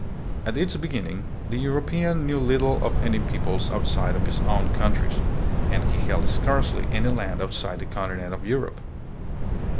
At its beginning the European knew little of any peoples outside of his own countries, and he held scarcely any land outside the continent of Europe.